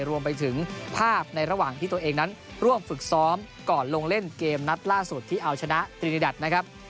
รวมไปถึงภาพในระหว่างที่ตัวเองนั้นร่วมฝึกซ้อมก่อนลงเล่นเกมนัดล่าสุดที่เอาชนะตรีนิดัทนะครับ